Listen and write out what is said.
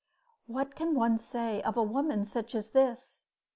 What can one say of a woman such as this?